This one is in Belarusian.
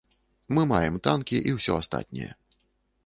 Мы маем танкі і ўсё астатняе.